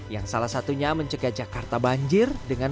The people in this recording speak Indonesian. yang salah satunya mencegah jakarta banjir dengan